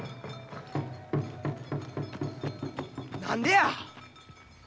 何でや！